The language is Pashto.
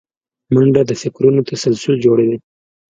منډه د فکرونو تسلسل جوړوي